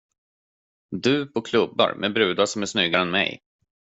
Du på klubbar med brudar som är snyggare än mig?